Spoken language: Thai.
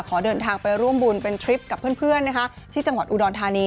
ขอเดินทางไปร่วมบุญเป็นทริปกับเพื่อนนะคะที่จังหวัดอุดรธานี